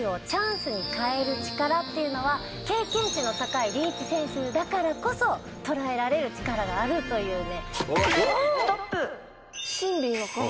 経験値の高いリーチ選手だからこそ捉えられる力があるというね。